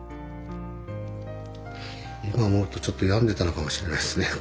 今思うとちょっと病んでたのかもしれないですね。